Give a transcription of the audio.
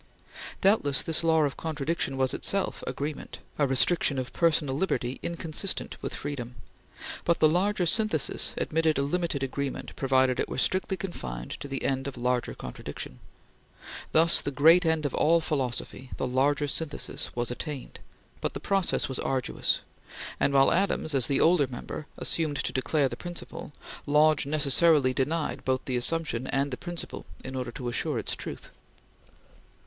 Doubtless this law of contradiction was itself agreement, a restriction of personal liberty inconsistent with freedom; but the "larger synthesis" admitted a limited agreement provided it were strictly confined to the end of larger contradiction. Thus the great end of all philosophy the "larger synthesis" was attained, but the process was arduous, and while Adams, as the older member, assumed to declare the principle, Bay Lodge necessarily denied both the assumption and the principle in order to assure its truth.